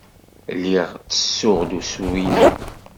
Lliɣ ttessuɣ-d usu-inu.